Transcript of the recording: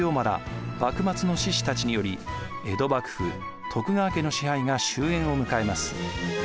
幕末の志士たちにより江戸幕府・徳川家の支配が終焉を迎えます。